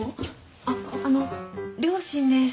あっあの両親です。